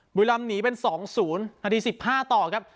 บุรีรำนำหนีเป็นสองศูนย์นาทีสิบห้าต่อครับ